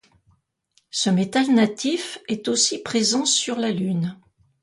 Ce métal natif est aussi présent sur la Lune.